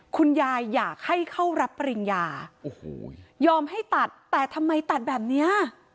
คุณยายอยากให้เข้ารับปริญญายอมให้ตัดแต่ทำไมตัดแบบนี้